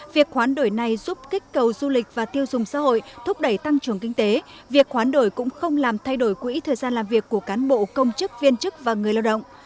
việc hoán đổi này giúp kích cầu du lịch và tiêu dùng xã hội thúc đẩy tăng trưởng kinh tế việc hoán đổi cũng không làm thay đổi quỹ thời gian làm việc của cán bộ công chức viên chức và người lao động